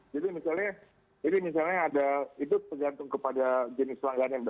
jadi misalnya itu tergantung kepada jenis pelanggan yang ada